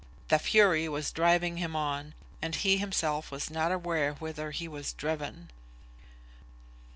The Fury was driving him on, and he himself was not aware whither he was driven.